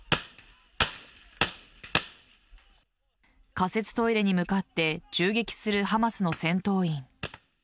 仮設トイレに向かって銃撃するハマスの戦闘員。